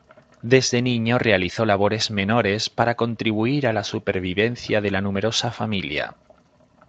Desde niño realizó labores menores para contribuir a la supervivencia de la numerosa familia.